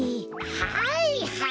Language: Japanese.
はいはい！